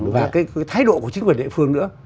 và cái thái độ của chính quyền địa phương nữa